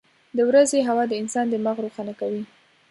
• د ورځې هوا د انسان دماغ روښانه کوي.